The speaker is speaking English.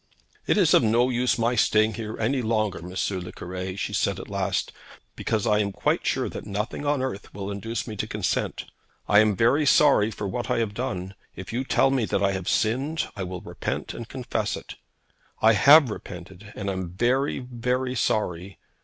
'It is of no use my staying here any longer, M. le Cure,' she said at last, 'because I am quite sure that nothing on earth will induce me to consent. I am very sorry for what I have done. If you tell me that I have sinned, I will repent and confess it. I have repented, and am very, very sorry.